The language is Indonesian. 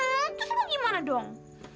hmm itu tuh gimana dong